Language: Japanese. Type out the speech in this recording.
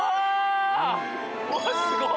うわすごっ！